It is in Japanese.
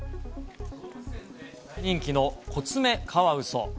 人気のコツメカワウソ。